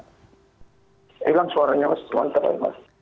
hilang suaranya mas cuma terlalu